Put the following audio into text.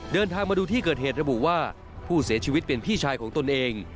เดินทางมาดูที่เกิดเหตุระบุว่าผู้เสียชีวิตเป็นพี่ชายของตนเอง